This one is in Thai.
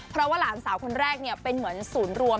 เพราะว่าหลานสาวคนแรกเป็นเหมือนศูนย์รวม